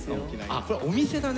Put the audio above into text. あこれお店だね。